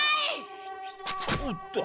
おっと。